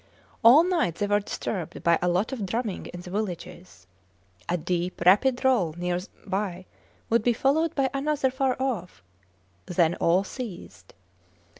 All night they were disturbed by a lot of drumming in the villages. A deep, rapid roll near by would be followed by another far off then all ceased.